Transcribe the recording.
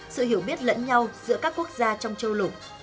sự hiểu biết lẫn nhau giữa các quốc gia trong châu lục